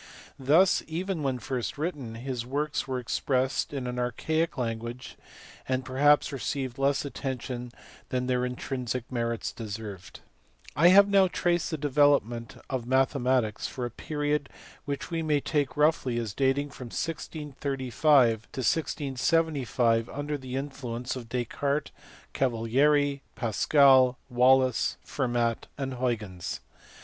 Thus, even when first written, his works were expressed in an archaic language, and perhaps received less attention than their intrinsic merits deserved. I have now traced the development of mathematics for a period which we may take roughly as dating from 1635 to 1675 under the influence of Descartes, Cavalieri, Pascal, Wallis, Fermat, and Huygens.